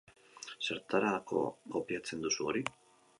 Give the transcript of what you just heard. Zertarako kopiatzen duzu hori?